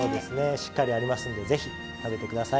しっかりありますんでぜひ食べて下さい。